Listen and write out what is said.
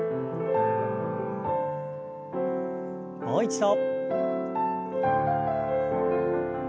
もう一度。